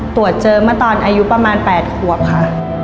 ตรวจเจอมาตอนอายุประมาณแปดขวบค่ะ